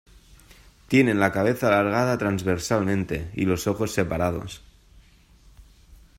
Tienen la cabeza alargada transversalmente y los ojos separados.